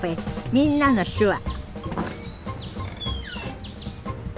「みんなの手話」